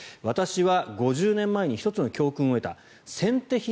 私は５０年前に１つの教訓を得た先手